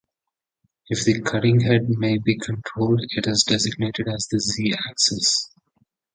If the cutting head may be controlled, it is designated as the Z-axis.